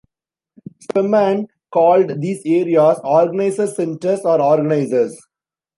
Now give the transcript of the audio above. Spemann called these areas "organiser centres" or "organisers".